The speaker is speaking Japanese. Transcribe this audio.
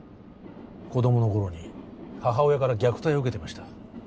子どもの頃に母親から虐待を受けていました